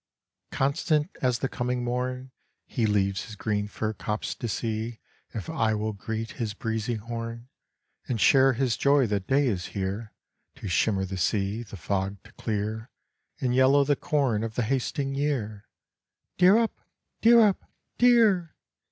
Constant as the coming morn, He leaves his green fir copse to see If I will greet his breezy horn, And share his joy that day is here To shimmer the sea, the fog to clear, And yellow the corn of the hasting year: Dear up, dear up, dear!